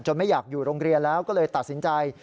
ไม่อยากอยู่โรงเรียนแล้วก็เลยตัดสินใจ